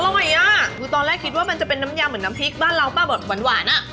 อร่อยว่ะตอนแรกคริสว่ามันจะเป็นน้ำยาเหมือนเน้มพริกบ้านเราก็เข้าไปวางอ่ะ